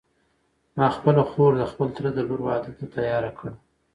ما خپله خور د خپل تره د لور واده ته تیاره کړه.